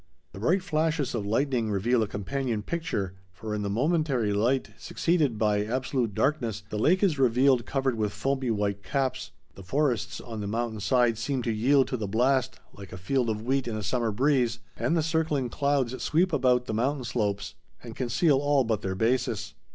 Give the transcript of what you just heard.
The bright flashes of lightning reveal a companion picture, for in the momentary light succeeded by absolute darkness the lake is revealed covered with foamy white caps. The forests on the mountain side seem to yield to the blast like a field of wheat in a summer breeze, and the circling clouds sweep about the mountain slopes and conceal all but their bases.